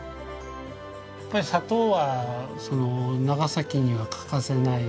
やっぱり砂糖は長崎には欠かせない。